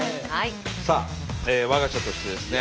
さあ我が社としてですね